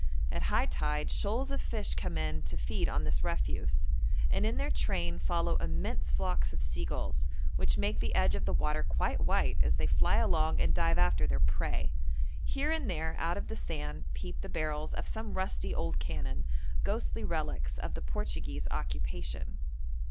At high tide shoals of fish come in to feed on this refuse, and in their train follow immense flocks of seagulls, which make the edge of the water quite white as they fly along and dive after their prey. Here and there out of the sand peep the barrels of some rusty old cannon, ghostly relics of the Portuguese occupation.